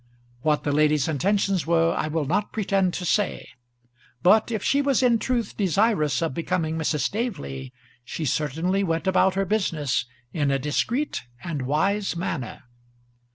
What the lady's intentions were I will not pretend to say; but if she was in truth desirous of becoming Mrs. Staveley, she certainly went about her business in a discreet and wise manner.